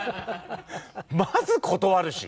まず断るし。